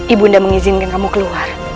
ibu undah mengizinkan kamu keluar